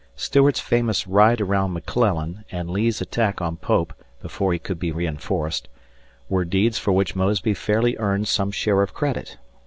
Stuart's famous ride around McClellan and Lee's attack on Pope, before he could be reinforced, were deeds for which Mosby fairly earned some share of credit.